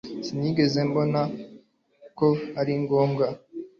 Sinigeze mbona ko ari ngombwa.